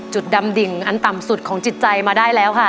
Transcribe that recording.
ดำดิ่งอันต่ำสุดของจิตใจมาได้แล้วค่ะ